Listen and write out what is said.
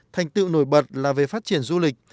thành tựu nổi bật là về phát triển du lịch